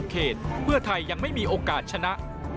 เขตเพื่อไทยยังไม่มีโอกาสชนะ